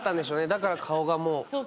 だから顔がもうこう。